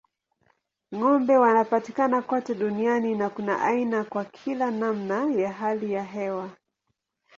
Ng'ombe wanapatikana kote duniani na kuna aina kwa kila namna ya hali ya hewa.